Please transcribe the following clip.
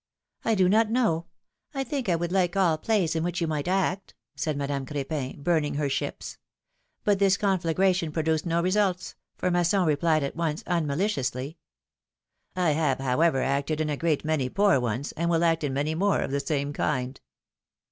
do not know; I think I 'would like all plays in which you might act,^^ said Madame Crepin, burning her ships. But this conflagration produced no results, for Masson replied at once, unmaliciously : ^'1 have, however, acted in a great many poor ones, and will act in many more of the same kind.